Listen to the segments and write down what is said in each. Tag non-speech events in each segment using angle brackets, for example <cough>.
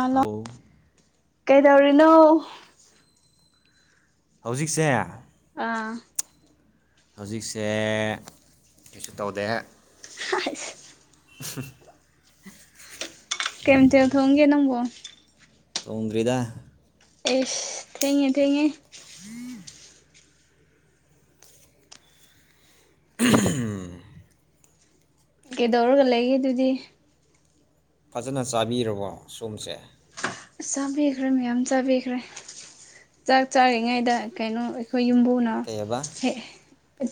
ꯑꯜꯂꯣ ꯍꯧ ꯀꯩꯗꯧꯔꯤꯅꯣ ꯍꯧꯖꯤꯛꯁꯦ ꯑꯥ ꯍꯧꯖꯤꯛꯁꯦ ꯀꯩꯁꯨ ꯇꯧꯗꯦ <unintelligible> <unintelligible> ꯀꯩ ꯃꯊ ꯦꯜ ꯊꯣꯡꯒꯦ ꯅꯪꯕꯣ ꯊ‌ꯣꯡꯗ꯭ꯔꯤꯗ ꯑꯦꯁ ꯊꯦꯡꯉ‌ꯦ ꯊꯦꯡꯉ‌ꯦ <unintelligible> ꯀꯩꯗꯧꯔꯒ ꯂꯩꯒꯦ ꯑꯗꯨꯗꯤ ꯐꯖꯅ ꯆꯥꯕꯤꯔꯕꯣ ꯁꯣꯝꯁꯦ ꯑꯁ ꯆꯥꯕꯤꯈ꯭ꯔꯦ ꯃꯌꯥꯝ ꯆꯥꯕꯤꯈ꯭ꯔꯦ ꯆꯥꯛ ꯆꯥꯔꯤꯉꯩꯗ ꯀꯩꯅꯣ ꯑꯩꯈꯣꯏ ꯌꯨꯝꯕꯨꯅ ꯑ ꯀꯩ ꯍꯥꯏꯕ ꯍ‌ꯦ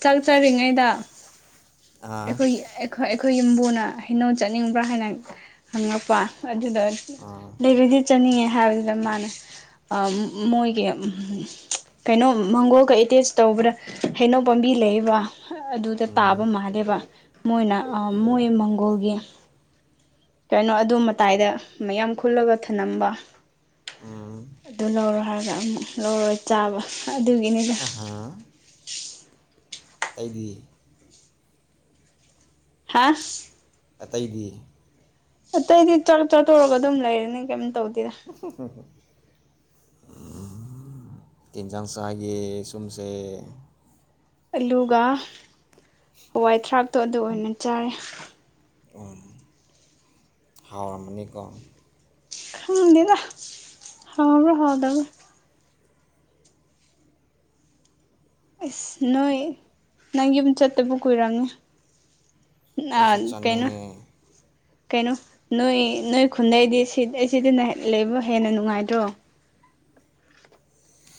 ꯆꯥꯛꯆꯔꯤꯉꯩꯗ ꯑꯥ ꯑꯩꯈꯣꯏ ꯑꯩꯈꯣꯏ ꯌꯨꯝꯕꯨꯅ ꯍꯩꯅꯣ ꯆꯠꯅꯤꯡꯕ꯭ꯔꯥ ꯍꯥꯏꯅ ꯍꯪꯉꯛꯄ ꯑꯗꯨꯗ ꯑꯥ ꯂꯩꯕꯗꯤ ꯆꯠꯅꯤꯡꯉꯦ ꯍꯥꯏꯕꯗꯨꯗ ꯃꯥꯅꯦ ꯃꯣꯏꯒꯤ ꯀꯩꯅꯣ ꯃꯪꯒꯣꯜꯒ ꯑꯦꯇꯦꯁ ꯇꯧꯕ꯭ꯔꯥ ꯍꯩꯅꯣ ꯄꯥꯝꯕꯤ ꯂꯩꯕ ꯑꯗꯨꯗ ꯎꯝ ꯇꯥꯕ ꯃꯥꯜꯂꯦꯕ ꯃꯣꯏꯅ ꯃꯣꯏ ꯃꯪꯒꯣꯜꯒꯤ ꯀꯩꯅꯣ ꯑꯗꯨ ꯃꯇꯥꯏꯗ ꯃꯌꯥꯝ ꯈꯨꯜꯂꯒ ꯊꯂꯝꯝꯕ ꯎꯝ ꯑꯗꯨ ꯂꯧꯔꯣ ꯍꯥꯏꯔꯒ ꯑꯃꯨꯛ ꯂꯧꯔꯣꯏ ꯆꯥꯕ ꯑꯗꯨꯒꯤꯅꯤꯗ ꯑꯍꯥ ꯍꯥꯏꯗꯤ ꯍꯥꯁ ꯑꯇꯩꯗꯤ ꯑꯇꯩꯗꯤ ꯆ ꯆꯥꯠꯇꯣꯔꯒ ꯑꯗꯨꯝ ꯂꯩꯔꯅꯤ ꯀꯩꯝ ꯇꯧꯗꯦꯔꯥ <unintelligible> ꯎ ꯌꯦꯤꯟꯖꯥꯡꯁꯥꯏꯒꯤ ꯁꯨꯝꯁꯦ ꯑꯂꯨꯒ ꯍꯋꯥꯏ ꯊꯔꯥꯛꯇꯣ ꯑꯗꯨ ꯑꯣꯏꯅ ꯆꯥꯔꯦ ꯑꯗꯨꯝ ꯍꯥꯎꯔꯝꯃꯅꯤꯀꯣ ꯍꯗꯤꯗ ꯍꯥꯎꯕ ꯍꯥꯎꯗꯕ ꯑꯁ ꯅꯣꯏ ꯅꯪ ꯌꯨꯝ ꯆꯠꯇꯕ ꯀꯨꯏꯔꯝꯉꯦ ꯑ ꯑꯩꯁꯨ ꯀꯩꯅꯅ ꯆꯥꯅꯤꯡꯉꯦ ꯀꯩꯅꯣ ꯅꯣꯏ ꯅꯣꯏ ꯈꯨꯟꯗꯩꯗꯤ ꯁꯤꯠ ꯑꯩ ꯁꯤꯗꯅ ꯂꯩꯕ ꯍꯦꯟꯅ ꯅꯨꯡꯉꯥꯏꯇ꯭ꯔꯣ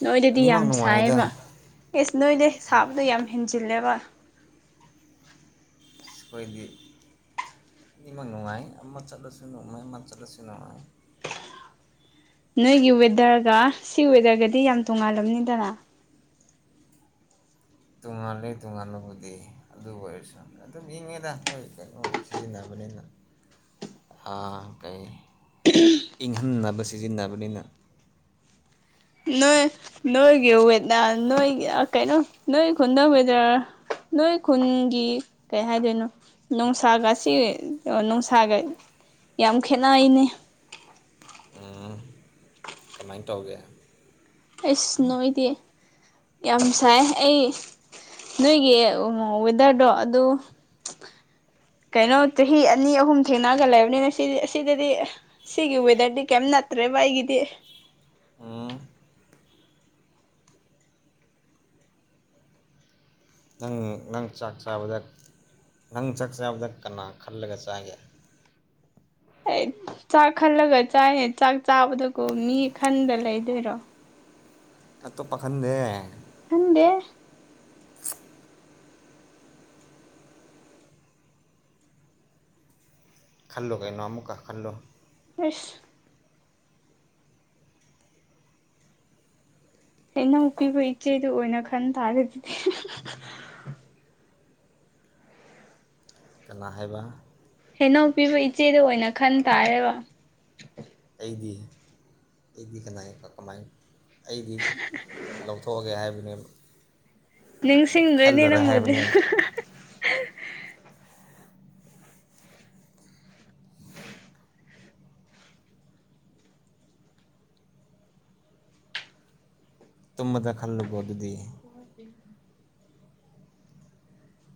ꯅꯣꯏꯗꯗꯤ ꯑꯅꯤꯃꯛ ꯌꯥꯝ ꯅꯨꯡꯉꯥꯏꯗ ꯁꯥꯏꯌꯦꯕ ꯑꯦꯁ ꯅꯣꯏꯗ ꯁꯥꯕꯗꯣ ꯌꯥꯝ ꯍꯦꯟꯖꯤꯜꯂꯦꯕ ꯀꯣꯏꯗꯤ ꯃꯤ ꯃꯅꯨꯉꯥꯏ ꯑꯃ ꯆꯠꯂꯣ ꯁꯤꯟꯨ ꯃ ꯃꯥꯃ ꯆꯠꯂꯣ ꯁꯤꯟꯨꯥꯏ ꯅꯣꯏꯒꯤ ꯋꯦꯗꯔꯒ ꯁꯤ ꯋꯦꯗꯔꯒꯗꯤ ꯌꯥꯝ ꯇꯣꯡꯉꯥꯜꯂꯝꯅꯤꯗꯅ ꯇꯨꯡꯍꯜꯂꯤ ꯇꯨꯡꯉꯜꯂꯕꯨꯗꯤ ꯑꯗꯨꯕꯨ ꯑꯣꯏꯔꯁꯨ ꯑꯗꯨꯝ ꯏꯪꯉꯤꯗ ꯑꯩꯈꯣꯏ ꯀꯩꯅꯣ ꯁꯤꯖꯤꯟꯅꯕꯅꯤꯅ ꯀꯩ ꯏꯪꯍꯟꯅꯕ ꯁꯤꯖꯤꯟꯅꯕꯅꯤꯅ ꯅꯣꯏ ꯅꯣꯏꯒꯤꯋꯦꯗ ꯅꯣꯏꯒꯤ ꯀꯩꯅꯣ ꯅꯣꯏ ꯈꯨꯟꯗꯋꯦꯗꯔꯥ ꯅꯣꯏ ꯈꯨꯟꯒꯤ ꯀꯩ ꯍꯥꯏꯗꯣꯏꯅꯣ ꯅꯨꯡꯁꯥꯒꯁꯤ ꯅꯨꯡꯁꯥꯒ ꯌꯥꯝ ꯈꯦꯅꯩꯅꯤ ꯎꯝ ꯀꯃꯥꯏꯅ ꯇꯧꯒꯦ ꯑꯩꯁ ꯅꯣꯏꯗꯤ ꯌꯥꯝ ꯁꯥꯏ ꯑꯩ ꯅꯣꯏꯒꯤ ꯋꯦꯗꯔꯗꯣ ꯑꯗꯨ ꯀꯩꯅꯣ ꯆꯍꯤ ꯑꯅꯤ ꯑꯍꯨꯝ ꯊꯦꯡꯅꯒ ꯂꯩꯕꯅꯤꯅ ꯁꯤꯗꯤ ꯑꯁꯤꯗꯗꯤ ꯁꯤꯒꯤ ꯋꯦꯗꯔꯗꯤ ꯀꯩꯝ ꯅꯠꯇ꯭ꯔꯦꯕ ꯑꯩꯒꯤꯗꯤ ꯎꯝ ꯅꯪ ꯅꯪ ꯆꯥꯛ ꯆꯥꯕꯗ ꯅꯪ ꯆꯥꯛ ꯆꯥꯕꯗ ꯀꯅꯥ ꯈꯜꯂꯒ ꯆꯥꯒꯦ ꯑꯩ ꯆꯥꯛ ꯈꯜꯂꯒ ꯆꯥꯏꯅꯦ ꯆꯥꯛ ꯆꯥꯕꯗꯒ ꯃꯤ ꯈꯟꯕ ꯂꯩꯗꯣꯏꯔꯣ ꯑꯠꯇꯣ ꯄꯥꯈꯟꯗꯦ ꯍꯗꯦ ꯈꯜꯂꯣ ꯀꯩꯅꯣ ꯑꯃꯨꯛꯀꯥ ꯈꯜꯂꯣ ꯑꯁ ꯍꯩꯅꯧꯄꯤꯕ ꯏꯆꯦꯗꯨ ꯑꯣꯏꯅ ꯈꯟ ꯇꯥꯔꯗꯤꯗꯤ ꯀ ꯍꯥꯏꯕ ꯍꯦꯟꯅꯧ ꯄꯤꯕ ꯏꯆꯦꯗ ꯑꯣꯏꯅ ꯈꯟ ꯇꯥꯔꯦꯕ ꯑꯩꯗꯤ ꯑꯩꯗꯤ ꯀꯅꯥ ꯀꯃꯥꯏ ꯑꯩꯗꯤ ꯂꯧꯊꯣꯛꯑꯒꯦ ꯍꯥꯏꯕꯅꯦ ꯅꯤꯡꯪ ꯁꯤꯤꯡꯗ꯭ꯔꯔꯤꯅꯤ ꯅꯝꯃꯗꯤ ꯇꯨꯝꯕꯗ ꯈꯜꯂꯨꯀꯣ ꯑꯗꯨꯗꯤ ꯍ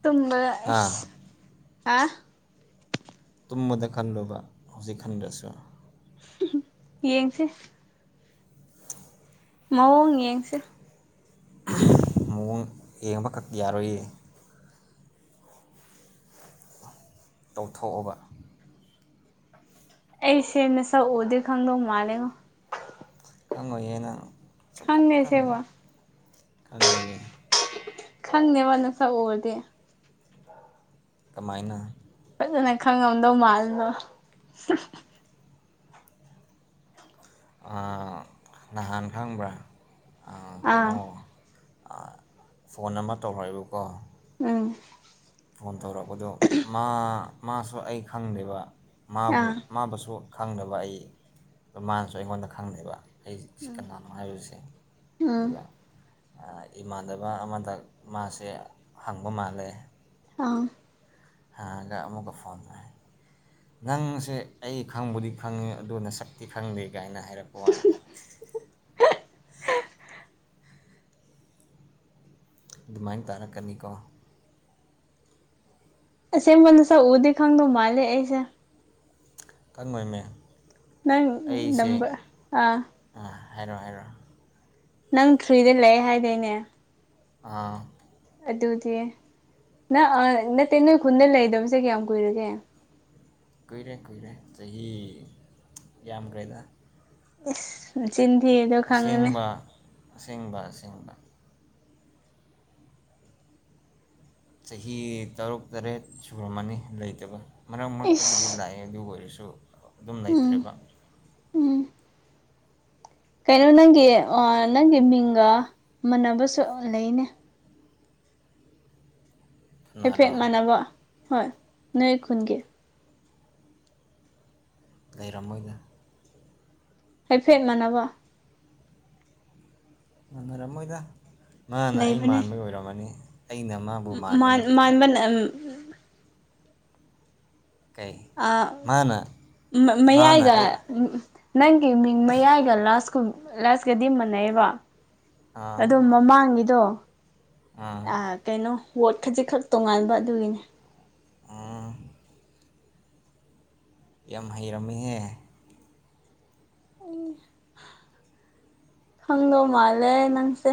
ꯇꯨꯝꯝꯕ ꯏ ꯍꯥ ꯑ ꯇꯨꯝꯃꯗ ꯈꯟꯂꯨꯕ ꯍꯧꯖꯤꯛ ꯈꯟꯗꯁꯨ ꯌꯦꯡꯁꯦ <inaudible> ꯃꯑꯣꯡ ꯌꯦꯡꯁꯦ ꯃꯑꯣꯡ ꯌꯦꯡꯕꯈꯛ ꯌꯥꯔꯣꯏꯌꯦ ꯇꯧꯊꯣꯛꯑꯕ ꯑꯩꯁꯦꯅꯁ ꯑꯣꯗ ꯈꯪ ꯃꯥꯅꯦꯒꯣ ꯈꯪꯏꯅ ꯁꯥ ꯈꯪꯗꯦ ꯈꯪꯥꯏ ꯑꯁꯦꯡꯕ ꯈꯪꯣꯏꯕꯤ ꯈꯪꯅꯦ ꯋꯥ ꯅꯁꯛꯎꯔꯗꯤ ꯀꯃꯥꯏꯅ ꯐꯖꯅ ꯈꯪꯉꯝꯗꯧ ꯃꯥꯜꯗꯣ ꯎ ꯅꯍꯥꯟ ꯈꯪꯕ꯭ꯔꯥ ꯑꯥ ꯀꯩꯅꯣ ꯐꯣꯟ ꯑꯃ ꯇꯧꯔꯛꯑꯦꯕꯀꯣ ꯑꯝ ꯐꯣꯟ ꯇꯧꯔꯛꯄꯗꯣ ꯃꯥ ꯃꯥꯁꯨ ꯑꯩ ꯈꯪꯗꯦꯕ ꯑꯥ ꯃꯥꯕꯨꯁꯨ ꯈꯪꯗꯅꯕ ꯑꯩꯃꯥꯟꯁꯨ ꯑꯩꯉꯣꯟꯗ ꯈꯪꯗꯕ ꯑꯩ ꯁꯤ ꯎꯝ ꯀꯅꯥꯅꯣ ꯍꯥꯏꯔꯤꯁꯦ ꯎꯝ ꯑꯗꯨꯒ ꯏꯃꯥꯟꯅꯕ ꯑꯃꯗꯛ ꯃꯥꯁꯦ ꯍꯪꯕ ꯃꯥꯜꯂꯦ ꯑꯥ ꯍꯒ ꯑꯃꯨꯒ ꯐꯣꯟꯗ ꯅꯪꯁꯦ ꯑꯩ ꯈꯪꯕꯨꯗꯤ ꯈꯪꯉꯦ ꯑꯗꯨꯅ ꯁꯛꯇꯤ ꯈꯪꯗꯦ ꯀꯥꯏꯅ ꯍꯥꯏꯔꯛꯄ ꯋꯥꯅꯤ ꯎ ꯑꯗꯨꯃꯥꯏꯅ ꯇꯥꯔꯛꯀꯅꯤꯀꯣ ꯁꯦ ꯃꯅꯁ ꯎꯗꯤ ꯈꯪꯗꯣ ꯃꯥꯂꯦ ꯑꯩꯁꯦ ꯀꯪꯉꯣꯏꯃꯦ ꯅꯪ ꯅꯝꯕ ꯑ ꯑꯥ ꯍꯥꯏꯔꯑꯣ ꯍꯥꯏꯔꯛꯑꯣ ꯅꯪ ꯊ꯭ꯔꯤꯗ ꯂꯩꯦ ꯍꯥꯏꯗꯣꯏꯅꯦ ꯑꯥ ꯑꯗꯨꯗꯤ ꯅꯪ ꯅꯠꯇꯦ ꯅꯣꯏ ꯈꯨꯟꯗ ꯂꯩꯗꯕꯁꯦ ꯀꯌꯥꯝ ꯀꯨꯏꯔꯒꯦ ꯀꯨꯏꯔꯦ ꯀꯨꯏꯔꯦ ꯆꯍꯤ ꯌꯥꯝꯈ꯭ꯔꯦꯗ ꯑꯦ ꯁꯤꯗꯤꯤꯗ ꯑꯁꯦꯡꯕ ꯑꯁꯦꯡꯕ ꯑꯁꯦꯡꯕ ꯆꯍꯤ ꯇꯔꯨꯛ ꯇꯔꯦꯠ ꯁꯨꯔꯝꯃꯅꯤ ꯂꯩꯇꯕ ꯃꯔꯛ ꯃꯔꯛꯇꯕꯨꯗꯤ ꯏꯁ ꯂꯥꯛꯑꯦ ꯑꯗꯨ ꯑꯣꯏꯔꯁꯨ ꯑꯗꯨꯝ ꯎꯝ ꯂꯩꯇ꯭ꯔꯦꯕ ꯎꯝ ꯀꯩꯅꯣ ꯅꯪꯒꯤ ꯅꯪꯒꯤ ꯃꯤꯡꯒ ꯃꯥꯟꯅꯕꯁꯨ ꯂꯩꯅꯦ ꯍꯥꯏꯦꯐꯦꯛ ꯀꯅꯥꯔꯣ ꯃꯥꯟꯅꯕ ꯍꯣꯏ ꯅꯣꯏ ꯈꯨꯨꯟꯒꯤ ꯂꯩꯔꯝꯃꯣꯏꯗꯅ ꯍꯥꯏꯩꯐꯦꯠ ꯃꯥꯟꯅꯕ ꯃꯥꯟꯅꯔꯝꯃꯣꯏꯗ ꯃꯥꯅ ꯑꯩ ꯂꯩꯕꯅꯦ ꯃꯥꯟꯕꯒꯤ ꯑꯣꯏꯔꯝꯃꯅꯤ ꯑꯩꯅ ꯃꯥꯕꯨ ꯃꯥꯟꯕ ꯃꯥꯟ ꯅꯠꯇꯕ ꯃꯥꯟꯕꯅ ꯀꯩ ꯑ ꯃꯥꯅ ꯃ ꯃꯥꯅ ꯃꯩꯏꯒ ꯑꯩ ꯅꯪꯒꯤ ꯃꯤꯡ ꯃꯌꯥꯏꯒ ꯂꯥꯁꯀꯨꯝ ꯂꯁꯀꯗꯤ ꯃꯥꯟꯅꯩꯕ ꯑꯥ ꯑꯣ ꯃꯃꯥꯡꯉꯗꯣ ꯑꯥ ꯑ ꯀꯩꯅꯣ ꯋꯥꯣꯠ ꯈꯖꯤꯛ ꯈꯛ ꯇꯣꯉꯥꯟꯕ ꯑꯗꯨꯒꯤꯅꯤ ꯑꯥ ꯌꯥꯝ ꯍꯩꯔꯝꯃꯤꯍꯦ ꯍꯪꯗꯣ ꯃꯥꯜꯂꯦ ꯅꯪꯁꯦ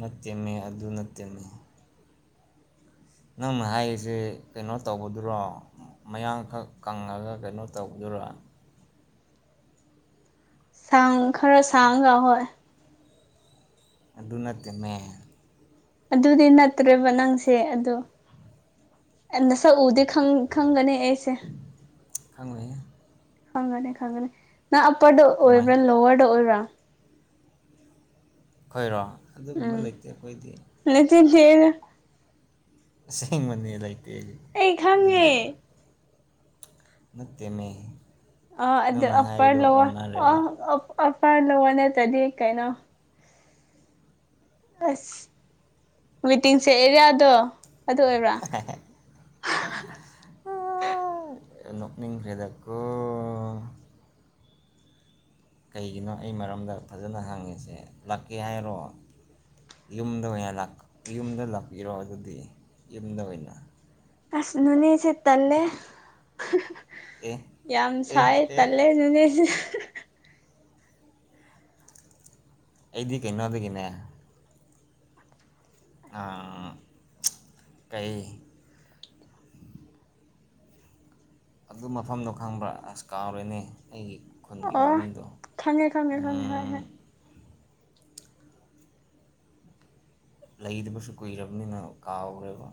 ꯅꯠꯇꯦꯝꯃꯦ ꯑꯗꯨ ꯅꯠꯇꯦꯝꯃꯦ ꯅꯪꯅ ꯍꯥꯏꯔꯤꯁꯦ ꯀꯩꯅꯣ ꯇꯧꯕꯗꯨꯔꯣ ꯃꯌꯥꯡꯈꯛ ꯀꯪꯉꯒ ꯀꯩꯅꯣ ꯇꯧꯗꯨꯣꯏꯔꯥ ꯁꯥꯡ ꯈꯔ ꯁꯥꯡꯒ ꯍꯣꯏ ꯑꯗꯨ ꯅꯠꯇꯃꯦ ꯑꯗꯨꯗꯤ ꯅꯠꯇ꯭ꯔꯦꯕ ꯅꯪꯁꯦ ꯑꯗꯣ ꯅ ꯁꯛ ꯎꯗꯦ ꯈꯪꯒꯅꯤ ꯑꯩꯁ ꯐꯉꯅꯦ ꯈꯪꯒꯅꯤ ꯈꯪꯒꯅꯤ ꯅꯪ ꯑꯞꯄꯔꯗ ꯀꯃꯥꯏ ꯑꯣꯏꯕ꯭ꯔꯥ ꯂꯣꯋꯔꯗ ꯑꯣꯏꯕ꯭ꯔꯥ ꯈꯣꯏꯔꯣ ꯑꯗꯨꯒꯨꯝꯕ ꯂꯩꯇꯦ ꯑꯩꯈꯣꯏꯗꯤ ꯂꯆꯁꯤ ꯁꯤ ꯃꯅꯤ ꯂꯩꯥꯏꯇꯦꯅ ꯑꯩ ꯈꯪꯉꯦ ꯅꯠꯇꯃꯦ ꯑ ꯑꯗꯨ ꯑꯄꯔ ꯂ ꯑ ꯑꯄꯔ ꯂꯔ ꯅꯠꯇꯗꯤ ꯀꯩꯅꯣ ꯑꯁ ꯋꯤꯇꯤꯡ ꯁꯦ ꯑꯦꯔꯤꯌꯥꯗꯣ ꯑꯗꯨ ꯑꯣꯏꯕ꯭ꯔꯥ <unintelligible> ꯅꯅꯤ ꯐꯦꯗꯗ ꯀꯣ ꯀꯩꯒꯤꯅꯣ ꯑꯩ ꯃꯔꯝꯗ ꯐꯖꯅ ꯍꯪꯉꯤꯁꯦ ꯂꯥꯛꯀꯦ ꯍꯥꯏꯔꯣ ꯌꯨꯝꯗ ꯑꯣꯏꯅ ꯌꯨꯝꯗ ꯂꯥꯛꯄꯤꯔꯣ ꯑꯗꯨꯗꯤ ꯌꯨꯝꯗ ꯑꯣꯏꯅ ꯑꯁꯅꯨꯅꯤ ꯁꯤꯠꯇꯂꯦ ꯑꯦ ꯌꯥꯝ ꯑꯦ ꯁꯥꯏ ꯑꯦ ꯇꯜꯂꯦ ꯅꯅꯦꯁꯦ ꯑꯩꯗꯤ ꯀꯩꯅꯣꯗꯒꯤꯅꯦ ꯀꯩ ꯑꯗꯨ ꯃꯐꯝꯗꯣ ꯈꯪꯕ꯭ꯔꯥ ꯑꯁ ꯀꯥꯎꯔꯦꯅꯦ ꯑꯩꯒꯤ ꯃꯈꯜꯒꯤ ꯑꯣ ꯃꯃꯤꯡꯗꯣ ꯈꯪꯉꯦ ꯈꯪꯉꯦ ꯈꯪꯉꯦ ꯍꯣꯏ ꯍꯣꯏ ꯂꯩꯗꯕꯁꯨ ꯀꯨꯏꯔꯕꯅꯤꯅ ꯀꯥꯎꯈ꯭ꯔꯦꯕ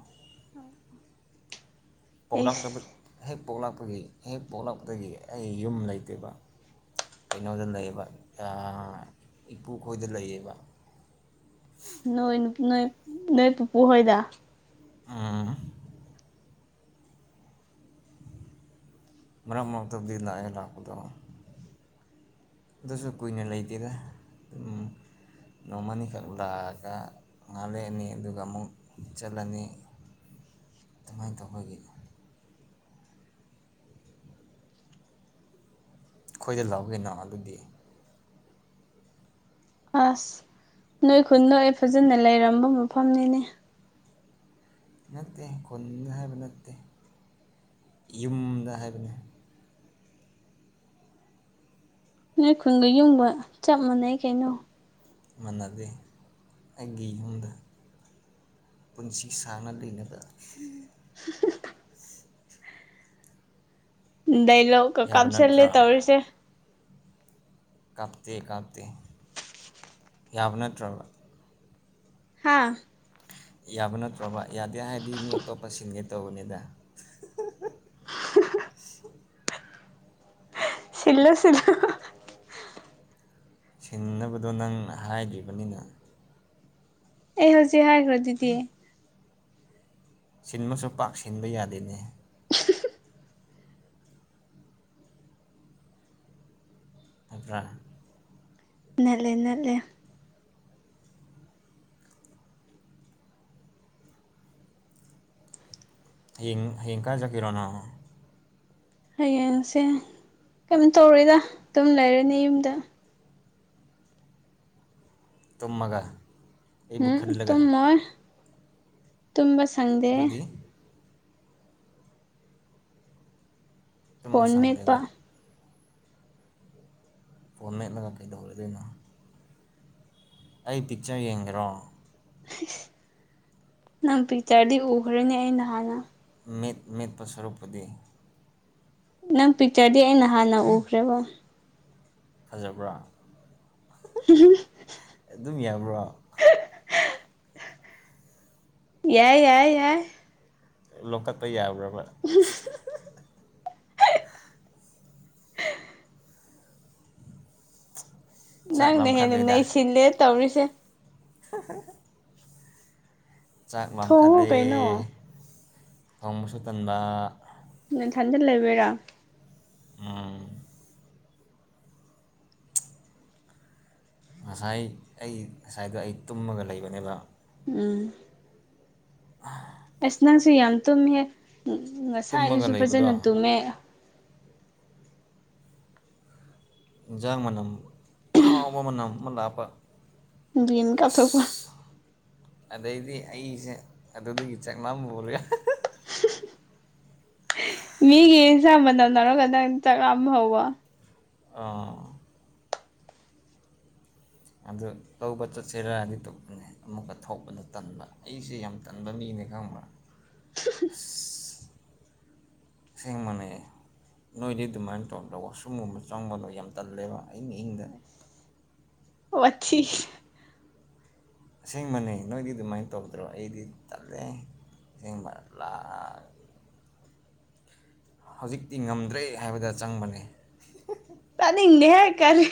ꯄꯣꯛꯂꯥꯛꯇꯕ ꯑꯩꯁ ꯍꯦꯛ ꯄꯣꯛꯂꯥꯛꯄꯒꯤ ꯍꯦꯛ ꯄꯣꯛꯂꯛꯄꯗꯒꯤ ꯑꯩ ꯌꯨꯝ ꯂꯩꯇꯦꯕ ꯀꯩꯅꯣꯗ ꯂꯩꯌꯦꯕ ꯏꯄꯨꯈꯣꯏꯗ ꯂꯩꯌꯦꯕ ꯅꯣꯏ ꯅꯣꯏ ꯅꯣꯏ ꯄꯨꯄꯨ ꯍꯣꯏꯗ ꯑ ꯃꯔ ꯃꯛꯇꯕꯤꯗ ꯑꯦ ꯂꯧꯈꯗ ꯑꯗꯨꯁꯨ ꯀꯨꯏꯟꯅ ꯂꯩꯇꯦꯗꯝ ꯅꯣꯡꯃꯅꯤ ꯀꯥꯕ ꯂꯥꯛꯀ ꯉꯥꯜꯂꯦꯛꯑꯅꯤ ꯑꯗꯨꯒ ꯑꯃꯨꯛ ꯆꯠꯂꯅꯤ ꯑꯗꯨꯃꯥꯏꯅ ꯇꯧꯕꯒꯤ <unintelligible> ꯑꯩꯈꯣꯏꯗ ꯂꯥꯛꯒ ꯅ ꯑꯗꯨꯗꯤ ꯑꯁ ꯅꯣꯏ ꯈꯨꯟ ꯅꯣꯛꯦ ꯐꯖꯅ ꯂꯩꯔꯝꯕ ꯃꯐꯝꯅꯤꯅꯦ ꯅꯠꯇꯦ ꯈꯨꯟꯗ ꯍꯥꯏꯕ ꯅꯠꯇꯦ ꯌꯨꯝꯗ ꯍꯥꯏꯕꯅꯤ ꯅꯣꯏ ꯈꯨꯟꯒ ꯌꯨꯡꯕ ꯆꯞ ꯃꯥꯟꯅꯩ ꯀꯩꯅꯣ ꯃꯟꯅꯗ ꯑꯩꯒꯤ ꯍꯗ ꯄꯨꯟꯁꯤ ꯁꯥꯡꯅ ꯂꯩꯅꯕ ꯎ ꯂꯩ ꯂꯣ ꯀ ꯌꯥꯕ ꯀꯝꯁꯂꯦ ꯅꯠꯇ꯭ꯔꯥ ꯇꯧꯔꯁꯦ ꯀꯥꯞꯇꯦ ꯀꯥꯞꯇꯦ ꯌꯥꯕ ꯅꯠꯇ꯭ꯔꯕ ꯍꯥꯥ ꯌꯥꯕ ꯅꯠꯇ꯭ꯔꯕ ꯌꯥꯗꯦ ꯍꯥꯏꯗꯤ ꯃꯤ ꯑꯇꯣꯞꯄ ꯁꯤꯟꯒꯦ ꯇꯧꯕꯅꯤꯗ ꯁꯤꯜꯂꯨ ꯁꯤꯜꯂꯨ ꯁꯤꯡꯅꯕꯗꯣ ꯅꯪ ꯍꯥꯏꯈꯤꯕꯅꯤꯅ ꯑꯩ ꯍꯧꯖꯤꯛ ꯍꯥꯏꯈ꯭ꯔ ꯑꯗꯨꯗꯤ ꯁꯤꯟꯕꯁꯨ ꯄꯥꯛ ꯁꯤꯟꯕ ꯌꯥꯗꯦꯅꯦ ꯍꯥꯕ꯭ꯔꯥ ꯅ ꯂꯩꯦ ꯅ ꯂꯩꯦ ꯍ ꯍꯤꯡ ꯀꯥꯏꯖ ꯀꯔꯣꯅ ꯍꯌꯦꯡꯁꯦ ꯀꯩꯝ ꯇꯧꯔꯣꯏꯗ ꯑꯗꯨꯝ ꯂꯩꯔꯅꯤ ꯌꯨꯝꯗ ꯇꯨꯝꯃꯒ ꯑꯩꯕꯨ ꯎꯝ ꯈꯜꯂꯒ ꯇꯨꯝꯃꯣꯏ ꯇꯝꯕ ꯁꯪꯗꯦ ꯑꯗꯨꯗꯤ ꯇꯨꯝꯕ ꯐꯣꯟ ꯁꯪꯗꯦꯕ ꯃꯦꯠꯄ ꯐꯣꯝ ꯃꯦꯠꯂꯒ ꯀꯩꯗꯧꯔꯗꯣꯏꯅꯣ ꯑꯩ ꯄꯤꯛꯆꯔ ꯌꯦꯡꯒꯦꯔꯣ ꯅꯪ ꯄꯤꯇꯔꯗꯤ ꯎꯈ꯭ꯔꯅꯦ ꯑꯩ ꯅꯍꯥꯟꯅ ꯃꯦꯠ ꯃꯦꯠꯄ ꯁꯔꯨꯛꯄꯨꯗꯤ ꯅꯪ ꯄꯤꯛꯆꯔꯗꯤ ꯑꯩꯅ ꯍꯥꯟꯅ ꯎꯈ꯭ꯔꯦꯕꯣ ꯐꯖꯕ꯭ꯔꯥ ꯑꯗꯨꯝ ꯌꯥꯕ꯭ꯔꯣ ꯌꯥꯏ ꯌꯥꯏ ꯌꯥꯏ ꯂꯧꯈꯠꯄ ꯌꯥꯕ꯭ꯔꯕ꯭ꯔ <unintelligible> ꯆꯥꯛ ꯅꯪꯅ ꯍꯦꯟꯅ ꯅꯩ ꯂꯥꯝꯈꯠꯂꯦꯗ ꯁꯤꯜꯂꯦ ꯇꯧꯔꯤꯁꯦ <unintelligible> ꯆꯥꯛ ꯊꯣꯡꯉꯨ ꯂꯥꯝꯈꯠꯂꯦ ꯀꯩꯅꯣ ꯊꯣꯡꯕꯁꯨ ꯇꯟꯕ ꯅꯊꯟꯇ ꯂꯩꯕꯔꯥ ꯑ ꯉꯁꯥꯏ ꯑꯩ ꯉꯁꯥꯏꯗꯣ ꯑꯩ ꯇꯨꯝꯃꯒ ꯂꯩꯕꯅꯦꯕ ꯎꯝ ꯑ ꯑꯁ ꯅꯪꯁꯨ ꯌꯥꯝ ꯇꯨꯝꯃꯦ ꯇꯨꯝꯃꯒ ꯉꯁꯥꯏꯗꯨꯁꯨ ꯐꯖꯅ ꯂꯩꯕꯗꯣ ꯇꯨꯝꯃꯦ ꯏꯟꯁꯥꯡ ꯃꯅꯝ ꯍꯥꯎꯕ ꯃꯅꯝ ꯑꯃ ꯂꯥꯛꯄ <unintelligible> ꯀꯊ ꯀ ꯑꯗꯩꯗꯤ ꯑꯩꯁꯦ ꯑꯗꯨꯒꯤ ꯆꯥꯛ ꯂꯥꯝꯕ ꯍꯧꯔꯦ ꯃꯤꯒꯤ ꯏꯟꯁꯥꯡ ꯃꯟꯅꯝ ꯂꯧꯔꯒꯗꯪ ꯆꯥꯛ ꯂꯥꯝꯕ ꯍꯧꯔꯕ ꯑꯥ ꯑꯗꯨ ꯇꯧꯕ ꯆꯠꯁꯤꯔꯗꯤ ꯇꯄꯅꯦ ꯑꯃꯨꯛꯀ ꯊꯧꯕꯗ ꯇꯟꯕ ꯑꯩꯁꯦ ꯌꯥꯝ ꯇꯟꯕ ꯃꯤꯅꯦ ꯈꯪꯕ꯭ꯔꯥ ꯑꯁ ꯑꯁꯦꯕꯅꯦ ꯅꯣꯏꯗꯤ ꯑꯗꯨꯃꯥꯏꯅ ꯇꯧꯕꯗ ꯋꯥꯁꯔꯨꯝꯒꯨꯝꯕ ꯆꯪꯕꯗꯣ ꯌꯥꯝ ꯇꯜꯂꯦꯕ ꯑꯩꯅ ꯑꯍꯤꯡꯗ ꯋꯥꯊꯤ ꯑꯁꯦꯡꯕꯅꯦ ꯅꯣꯏꯗꯤ ꯑꯗꯨꯃꯥꯏꯅ ꯇꯧꯗ꯭ꯔꯣ ꯑꯩꯗꯤ ꯇꯠꯂꯦ ꯑꯁꯦꯡꯕ ꯂꯥꯛ ꯍꯧꯖꯤꯛꯇꯤ ꯉꯝꯗ꯭ꯔꯦ ꯍꯥꯏꯕꯗ ꯆꯪꯕꯅꯦ ꯇꯅꯤꯡꯗꯦ ꯍꯥꯏ ꯀꯅꯤ